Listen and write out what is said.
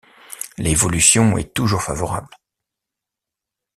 L'évolution est toujours favorable.